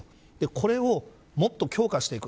これをもっと強化していく。